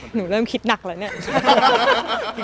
หนูเริ่มคิดหนักแล้วเนี่ย